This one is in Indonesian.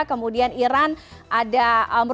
kemudian iran ada merupakan